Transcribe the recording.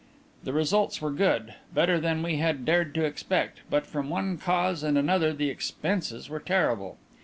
The results were good, better than we had dared to expect, but from one cause and another the expenses were terrible.